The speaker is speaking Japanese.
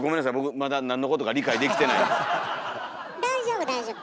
まだ大丈夫大丈夫。